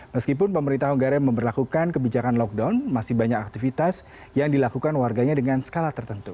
meskipun pemerintah hongkareng memperlakukan kebijakan lockdown masih banyak aktivitas yang dilakukan warganya dengan skala tertentu